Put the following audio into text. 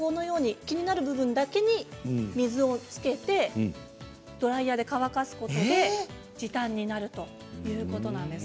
気になる部分だけに水をつけてドライヤーで乾かすことで時短になるということなんです。